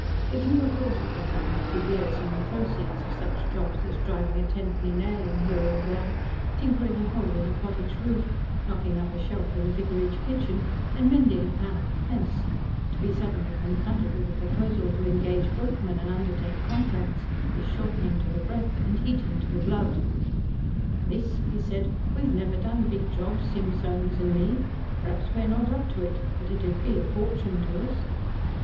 If you have brought up a family for years on the proceeds of such jobs as driving a ten penny nail in here or there, tinkering a hole in a cottage roof, knocking up a shelf in the vicarage kitchen, and mending a panel of fence, to be suddenly confronted with a proposal to engage workmen and undertake "contracts" is shortening to the breath and heating to the blood. "Miss," he said, "we've never done big jobs, Sim Soames an' me. P'raps we're not up to it but it'd be a fortune to us."